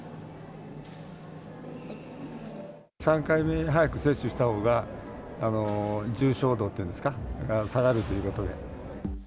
３回目早く接種したほうが、重症度っていうんですか、下がるということで。